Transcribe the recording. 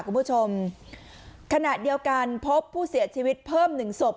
คุณผู้ชมขณะเดียวกันพบผู้เสียชีวิตเพิ่มหนึ่งศพ